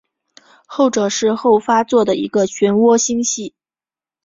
后者是后发座的一个旋涡星系。